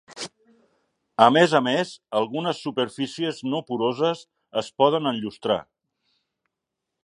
A més a més, algunes superfícies no poroses es poden enllustrar.